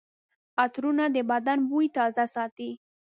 عطرونه د بدن بوی تازه ساتي.